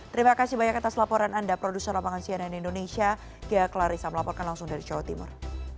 terima kasih banyak atas laporan anda produser lapangan cnn indonesia gaya clarissa melaporkan langsung dari jawa timur